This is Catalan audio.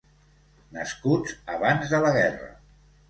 Nascuts abans de la guerra.